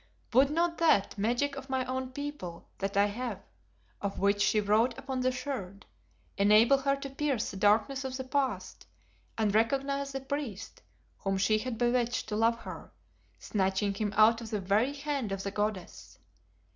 Would not that "magic of my own people that I have" of which she wrote upon the Sherd, enable her to pierce the darkness of the Past and recognize the priest whom she had bewitched to love her, snatching him out of the very hand of the goddess?